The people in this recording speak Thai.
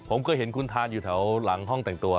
ผมเคยเห็นคุณทานอยู่แถวหลังห้องแต่งตัว